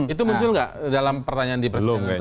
itu muncul tidak dalam pertanyaan di persidangan tadi